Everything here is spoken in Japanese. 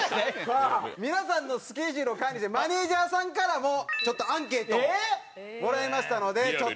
さあ皆さんのスケジュールを管理しているマネージャーさんからもちょっとアンケートをもらいましたのでちょっと発表したいと。